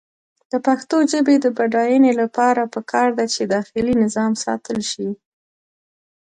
د پښتو ژبې د بډاینې لپاره پکار ده چې داخلي نظام ساتل شي.